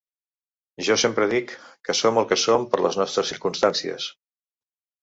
Jo sempre dic que som el que som por les nostres circumstàncies.